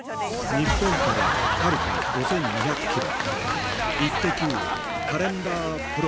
日本からはるか５２００キロ。